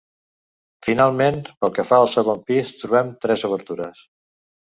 Finalment, pel que fa al segon pis trobem tres obertures.